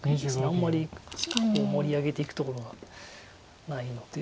あんまり盛り上げていくところがないので。